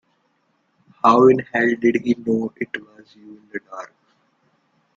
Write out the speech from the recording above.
How in hell did he know it was you in the dark.